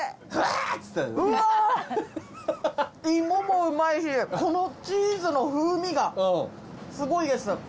芋もうまいしこのチーズの風味がすごいです。